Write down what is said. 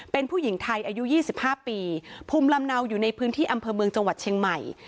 เป็นผู้หญิงไทยอายุ๒๕ปีภูมิลำเนาอยู่ในพื้นที่อำเภอเมืองจังหวัดเชียงใหม่